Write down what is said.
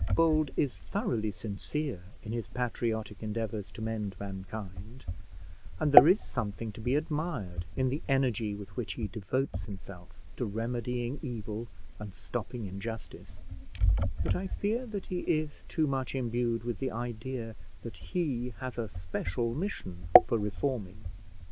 Bold is thoroughly sincere in his patriotic endeavours to mend mankind, and there is something to be admired in the energy with which he devotes himself to remedying evil and stopping injustice; but I fear that he is too much imbued with the idea that he has a special mission for reforming.